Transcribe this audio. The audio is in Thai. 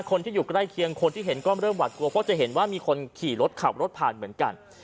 คนที่อยู่ใกล้เคียงคนที่เห็นก็เริ่มหวาดกลัวเพราะจะเห็นว่ามีคนขี่รถขับรถผ่านเหมือนกัน